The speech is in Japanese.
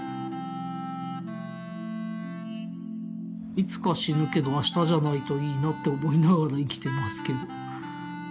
いつか死ぬけど明日じゃないといいなって思いながら生きてますけど。